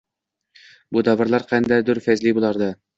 Bu davralar qandaydur fayzli boʻlardi